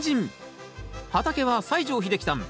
畑は西城秀樹さん